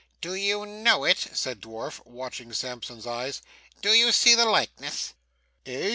'Do you know it?' said the dwarf, watching Sampson's eyes. 'Do you see the likeness?' 'Eh?